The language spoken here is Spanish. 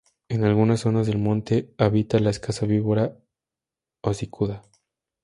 En algunas zonas del monte habita la escasa víbora hocicuda.